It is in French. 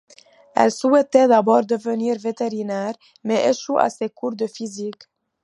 Elle souhaitait d'abord devenir vétérinaire, mais échoue à ses cours de physique.